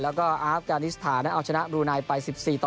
แล้วก็อาฟกานิสถานั้นเอาชนะบลูนายไป๑๔๑